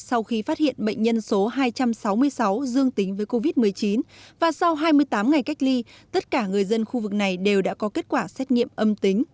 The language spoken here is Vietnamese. sau khi phát hiện bệnh nhân số hai trăm sáu mươi sáu dương tính với covid một mươi chín và sau hai mươi tám ngày cách ly tất cả người dân khu vực này đều đã có kết quả xét nghiệm âm tính